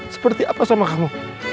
seperti apa sama kamu